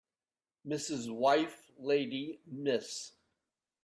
Mrs. wife lady Miss